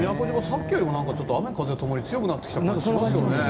さっきよりも雨風ともに強くなってきた感じがしますね。